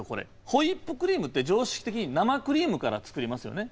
ホイップクリームって常識的に生クリームから作りますよね。